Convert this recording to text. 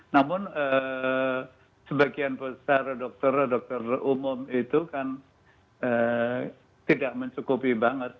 namun sebagian besar dokter dokter umum itu kan tidak mencukupi banget